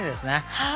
はい。